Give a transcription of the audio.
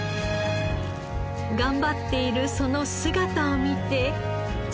頑張っているその姿を見て父は。